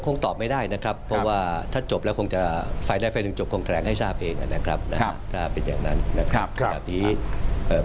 ตอบไม่ได้นะครับเพราะว่าถ้าจบแล้วคงจะไฟได้ไฟหนึ่งจบคงแถลงให้ทราบเองนะครับนะฮะถ้าเป็นอย่างนั้นนะครับขนาดนี้เอ่อ